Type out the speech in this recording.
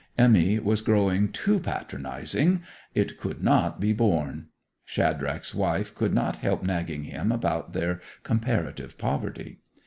Emmy was growing too patronizing; it could not be borne. Shadrach's wife could not help nagging him about their comparative poverty.